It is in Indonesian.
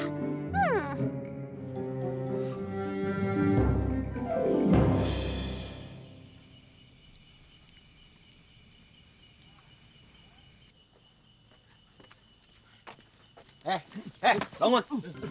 hei hei bangun